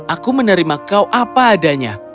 aku menerima kau apa adanya